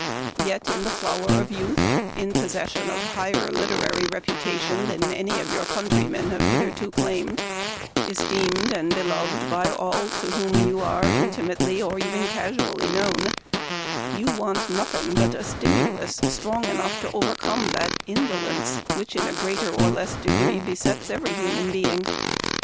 Yet in the flower of youth, in pos session of higher literary reputation than any of your countrymen have hitherto claimed, esteemed and beloved by all to whom you are intimately, or even casually, known, you want nothing but a stimulus strong enough to overcome that indolence which, in a greater or less degree, besets every human being.